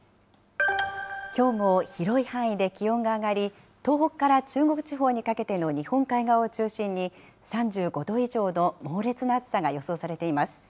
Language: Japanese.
きょうも広い範囲で気温が上がり、東北から中国地方にかけての日本海側を中心に、３５度以上の猛烈な暑さが予想されています。